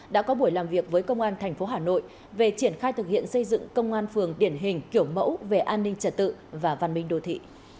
đã có buổi làm việc với công an tp hà nội về triển khai thực hiện xây dựng công an phường điển hình kiểu mẫu về an ninh trật tự và văn minh đồ thị